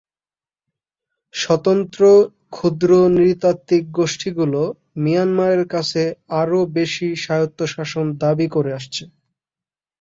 সশস্ত্র ক্ষুদ্র নৃতাত্ত্বিক গোষ্ঠীগুলো মিয়ানমারের কাছে আরও বেশি স্বায়ত্তশাসন দাবি করে আসছে।